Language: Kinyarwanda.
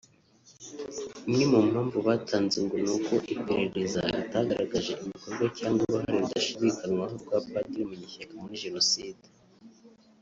Imwe mu mpamvu batanze ngo ni uko iperereza ritagaragaje ibikorwa cyangwa uruhare rudashidikanywaho rwa Padiri Munyeshyaka muri Jenoside